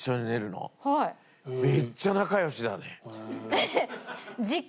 めっちゃ仲良しだね。